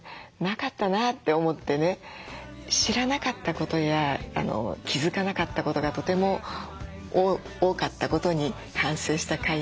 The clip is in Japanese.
知らなかったことや気付かなかったことがとても多かったことに反省した回でした。